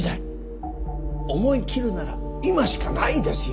思い切るなら今しかないですよ。